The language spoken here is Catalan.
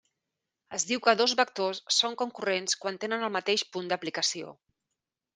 Es diu que dos vectors són concurrents quan tenen el mateix punt d'aplicació.